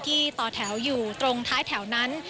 ต่อแถวอยู่ตรงท้ายแถวนั้น